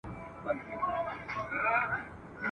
چي آسانه پر دې ښځي سي دردونه ..